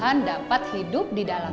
jangan lakukan kerja yang